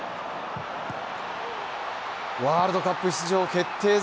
ワールドカップ出場を決定